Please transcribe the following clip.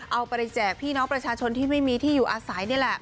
เอาไปแจกพี่น้องประชาชนที่ไม่มีที่อยู่อาศัยนี่แหละ